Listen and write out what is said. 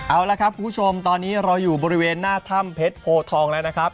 เอาละครับคุณผู้ชมตอนนี้เราอยู่บริเวณหน้าถ้ำเพชรโพทองแล้วนะครับ